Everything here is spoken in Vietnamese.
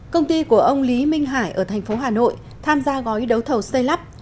công ty của ông lý minh hải ở thành phố hà nội tham gia gói đấu thầu xây lắp